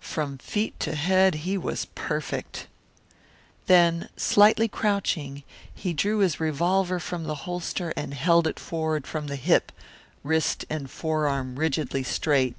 From feet to head he was perfect. Then, slightly crouching, he drew his revolver from the holster and held it forward from the hip, wrist and forearm rigidly straight.